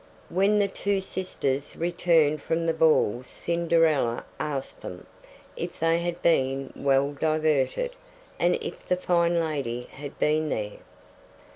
When the two sisters returned from the ball Cinderella asked them: If they had been well diverted, and if the fine lady had been there.